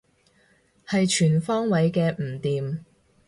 係全方位嘅唔掂